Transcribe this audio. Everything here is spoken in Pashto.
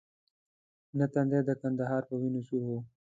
نه تندی د کندهار په وینو سور وو.